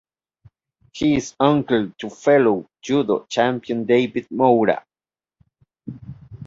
He is uncle to fellow judo champion David Moura.